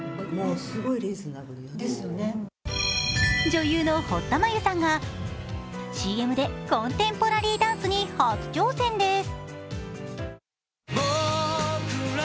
女優の堀田真由さんがＣＭでコンテンポラリーダンスに初挑戦です。